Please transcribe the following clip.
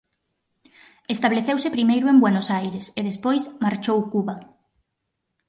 Estableceuse primeiro en Buenos Aires e despois marchou Cuba.